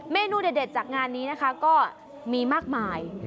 เมนูเด็ดจากงานนี้นะคะก็มีมากมาย